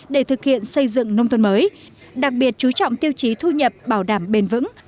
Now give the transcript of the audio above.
để thực hiện xây dựng nông thôn mới đặc biệt chú trọng tiêu chí thu nhập bảo đảm bền vững